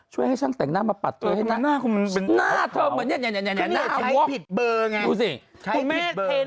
ช่วยให้ช่างแต่งหน้ามาปัดเธอ